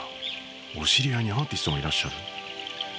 お知り合いにアーティストがいらっしゃる。